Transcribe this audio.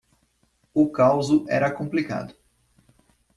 O causo era complicado.